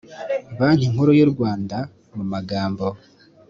banki nkuru y u rwanda mu magambo